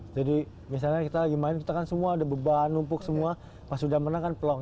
jadi misalnya kita lagi main kita kan semua ada beban umpuk semua pas sudah menang kan pelong